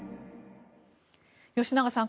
吉永さん